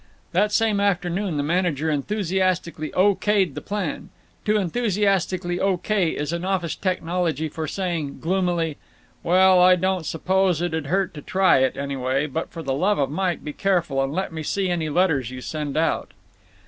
That same afternoon the manager enthusiastically O. K.'d the plan. To enthusiastically—O. K. is an office technology for saying, gloomily, "Well, I don't suppose it 'd hurt to try it, anyway, but for the love of Mike be careful, and let me see any letters you send out."